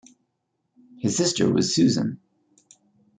His sister was Susan.